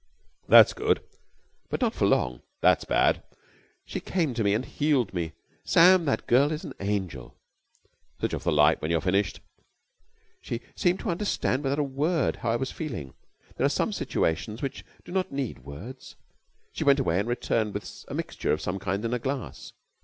"That's good!" "But not for long." "That's bad!" "She came to me and healed me. Sam, that girl is an angel." "Switch off the light when you've finished." "She seemed to understand without a word how I was feeling. There are some situations which do not need words. She went away and returned with a mixture of some kind in a glass.